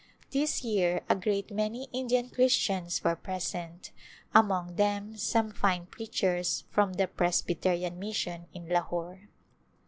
This year a great many Indian Christians were present, among them some fine preachers from the Presby terian Mission in Lahore.